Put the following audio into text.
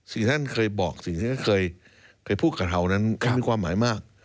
สิ่งท่านเคยบอกสิ่งที่ท่านเคยพูดกับเรานั้นมีความหมายมาก